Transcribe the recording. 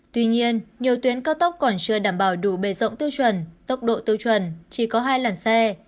tuy nhiên nhiều tuyến cao tốc còn chưa đảm bảo đủ bề rộng tiêu chuẩn tốc độ tiêu chuẩn chỉ có hai làn xe